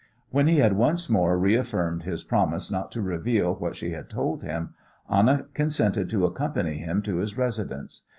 When he had once more reaffirmed his promise not to reveal what she had told him, Anna consented to accompany him to his residence.